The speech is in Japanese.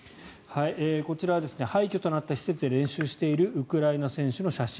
こちらは廃墟となった施設で練習しているウクライナ選手の写真。